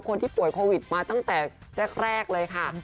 คนที่ป่วยโควิดมาตั้งแต่แรกเลยค่ะ